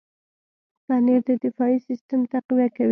پنېر د دفاعي سیستم تقویه کوي.